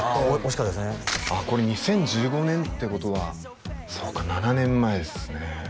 あこれ２０１５年ってことはそうか７年前っすね